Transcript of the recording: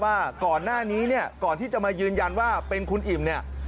ว่าก่อนหน้านี้ก่อนที่จะมายืนยันว่าเป็นคุณอิ่ม